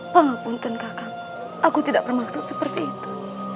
pengapunten kakak aku tidak bermaksud seperti itu